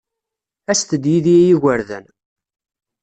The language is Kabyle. Aset-d yid-i a igerdan.